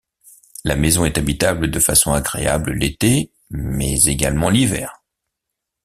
La maison est habitable de façon agréable l'été, mais également l'hiver.